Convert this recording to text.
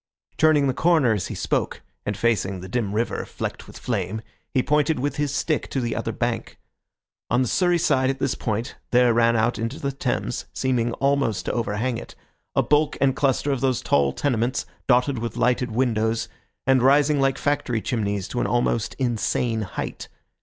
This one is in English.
Turning the corner as he spoke, and facing the dim river, flecked with flame, he pointed with his stick to the other bank. On the Surrey side at this point there ran out into the Thames, seeming almost to overhang it, a bulk and cluster of those tall tenements, dotted with lighted windows, and rising like factory chimneys to an almost insane height.